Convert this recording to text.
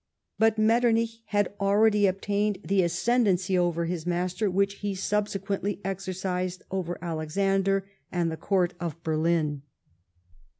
But Metternich had already obtained the ascend ency over his master which he subsequently exercised over Alexander and the Court of Berlin.